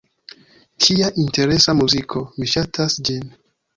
Kia interesa muziko. Mi ŝatas ĝin.